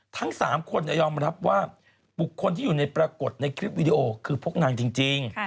ทั้ง๓คนยอมรับว่าบุคคลที่อยู่ในปรากฏในคลิปวิดีโอคือพวกนางจริง